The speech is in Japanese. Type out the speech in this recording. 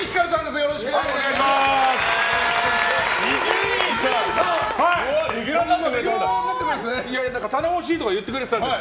よろしくお願いします。